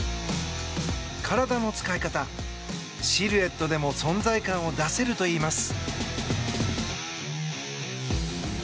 体の使い方、シルエットでも存在感を出せるといいます。